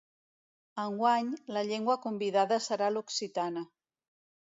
Enguany, la llengua convidada serà l'occitana.